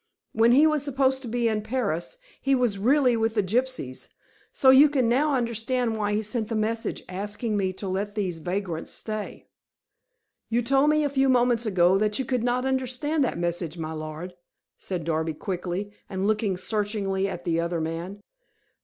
When he was supposed to be in Paris, he was really with the gypsies, so you can now understand why he sent the message asking me to let these vagrants stay." "You told me a few moments ago, that you could not understand that message, my lord," said Darby quickly, and looking searchingly at the other man.